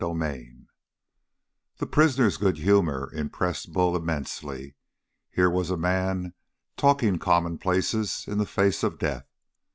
CHAPTER 7 The prisoner's good humor impressed Bull immensely. Here was a man talking commonplaces in the face of death.